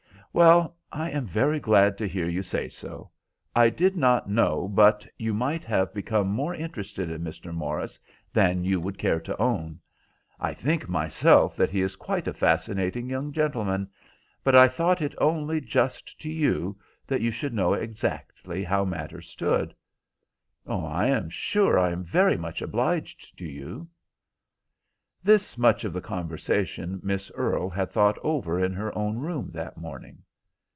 "Well, I am very glad to hear you say so. I did not know but you might have become more interested in Mr. Morris than you would care to own. I think myself that he is quite a fascinating young gentleman; but I thought it only just to you that you should know exactly how matters stood." "I am sure I am very much obliged to you." This much of the conversation Miss Earle had thought over in her own room that morning.